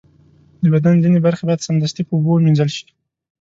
د بدن ځینې برخې باید سمدستي په اوبو ومینځل شي.